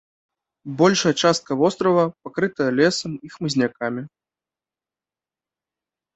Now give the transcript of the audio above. Большая частка вострава пакрыта лесам і хмызнякамі.